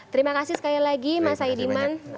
terima kasih sekali lagi mas saidiman